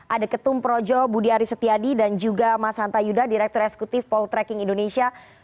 ada ketum projo budi aris setiadi dan juga mas hanta yuda direktur eksekutif poltreking indonesia